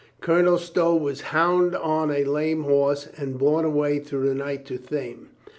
Colonel Stow was bound on a lame horse and borne away through the night to Thame.